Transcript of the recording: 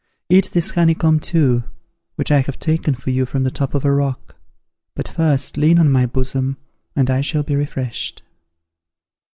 Eat this honey comb too, which I have taken for you from the top of a rock. But first lean on my bosom, and I shall be refreshed."